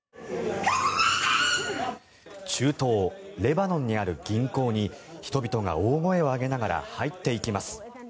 中東レバノンにある銀行に人々が大声を上げながら入っていきます。